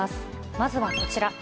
まずはこちら。